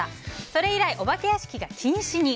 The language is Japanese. それ以来、お化け屋敷が禁止に。